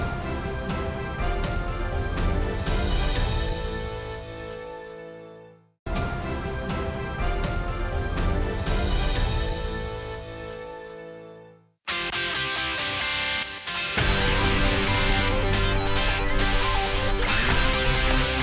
sepertinya nanti sekitarnya makanya selalu ada platform kainnya dan oh yang cukup lama